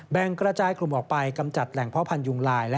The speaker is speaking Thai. กระจายกลุ่มออกไปกำจัดแหล่งพ่อพันธุงลาย